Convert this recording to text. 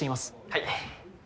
はい。